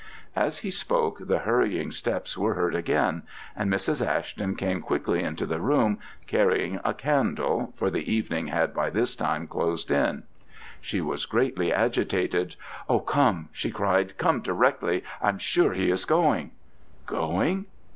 As he spoke, the hurrying steps were heard again, and Mrs. Ashton came quickly into the room, carrying a candle, for the evening had by this time closed in. She was greatly agitated. "O come!" she cried, "come directly. I'm sure he is going." "Going?